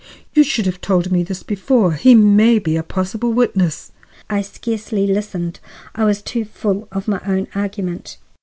You should have told me this before. He may be a possible witness." I scarcely listened. I was too full of my own argument.